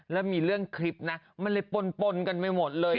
แล้วมีเรื่องคลิปนะมันเลยปนกันไปหมดเลย